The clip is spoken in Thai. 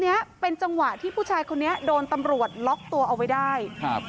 เนี้ยเป็นจังหวะที่ผู้ชายคนนี้โดนตำรวจล็อกตัวเอาไว้ได้ครับ